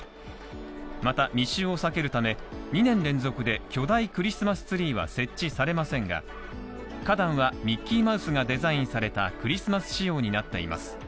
また、密集を避けるため２年連続で巨大クリスマスツリーは設置されませんが、花壇は、ミッキーマウスがデザインされたクリスマス仕様になっています。